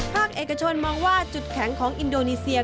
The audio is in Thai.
ภาคเอกชนมองว่าจุดแข็งของอินโดนีเซีย